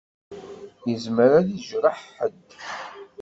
Izmer ad d-ijreḥ ḥedd.